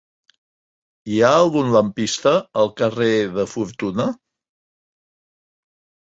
Hi ha algun lampista al carrer de Fortuna?